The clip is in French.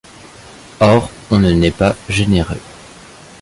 Or on ne naît pas généreux.